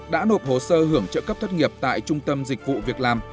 đã nộp hồ sơ hưởng trợ cấp thất nghiệp tại trung tâm dịch vụ việc làm